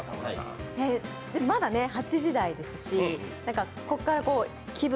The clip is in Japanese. まだ８時台ですし、ここから気分